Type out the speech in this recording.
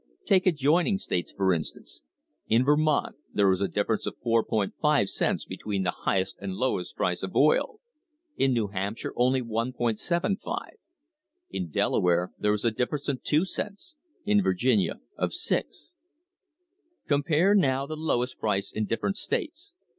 Take adjoining states, for instance. In Vermont there is a differ ence of 4.50 cents between the highest and lowest price of oil; in New Hampshire, only 1.75. In Delaware there is a difference of 2 cents; in Virginia, of 6. Compare, now, the lowest price in different states.